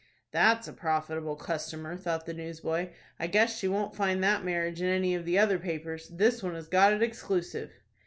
"That's a profitable customer," thought the newsboy. "I guess she won't find that marriage in any of the other papers. This one has got it exclusive."